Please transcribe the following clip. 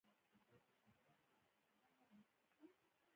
د خودکار قلم نلکه پکې ور تیره کړئ.